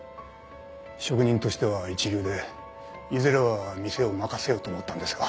職人としては一流でいずれは店を任せようと思ったんですが。